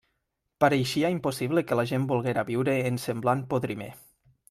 Pareixia impossible que la gent volguera viure en semblant podrimer.